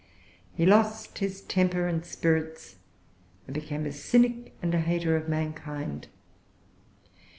He lost his temper and spirits, and became a cynic and a hater of mankind.